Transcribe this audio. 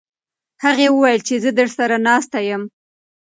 هغې وویل چې زه درسره ناسته یم.